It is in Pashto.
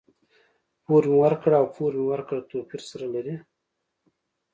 پور مي ورکړ او پور مې ورکړ؛ توپير سره لري.